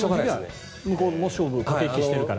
向こうも勝負駆け引きをしているから。